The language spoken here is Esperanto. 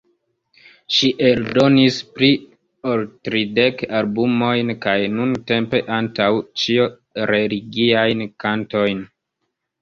Ŝi eldonis pli ol tridek albumojn kaj nuntempe antaŭ ĉio religiajn kantojn.